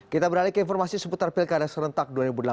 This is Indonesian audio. kita beralih ke informasi seputar pilkada serentak dua ribu delapan belas